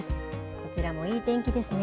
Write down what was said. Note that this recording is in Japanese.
こちらもいい天気ですね。